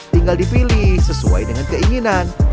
tinggal dipilih sesuai dengan keinginan